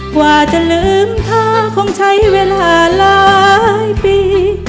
กว่าจะลืมเธอคงใช้เวลาหลายปี